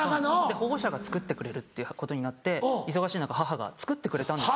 保護者が作ってくれるってことになって忙しい中母が作ってくれたんです。